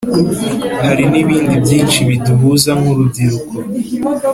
hari n’ibindi byinshi biduhuza nk’urubyiruko.